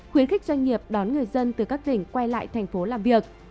khuyến khích doanh nghiệp đón người dân từ các tỉnh quay lại thành phố làm việc